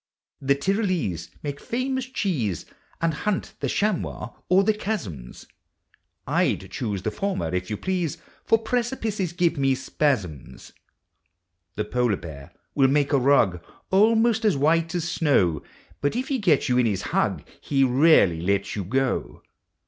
The Tvrolese make famous cheese And hunt (he chamois o'er the chaz zums; J \1 choose the former if yon please. For precipices jjivo me spaz zums. The polar bear will make a rug Almost as white as snow; But if he gets you in his hug, He rarely lets you go.